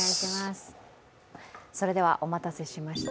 それではお待たせしました